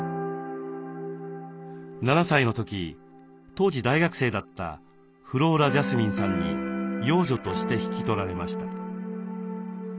７歳の時当時大学生だったフローラ・ジャスミンさんに養女として引き取られました。